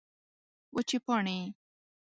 وچې پاڼې